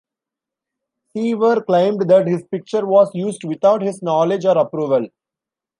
Seaver claimed that his picture was used without his knowledge or approval.